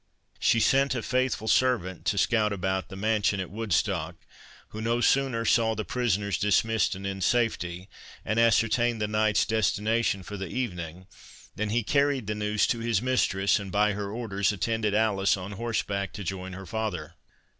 She sent a faithful servant to scout about the mansion at Woodstock, who no sooner saw the prisoners dismissed and in safety, and ascertained the knight's destination for the evening, than he carried the news to his mistress, and by her orders attended Alice on horseback to join her father.